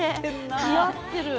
似合ってる。